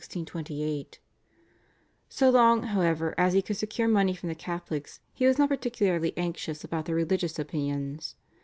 So long however as he could secure money from the Catholics he was not particularly anxious about their religious opinions.